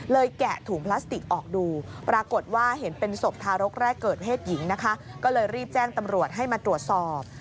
แกะถุงพลาสติกออกดูปรากฏว่าเห็นเป็นศพทารกแรกเกิดเพศหญิงนะคะก็เลยรีบแจ้งตำรวจให้มาตรวจสอบ